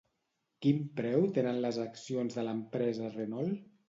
Quin preu tenen les accions de l'empresa Renault?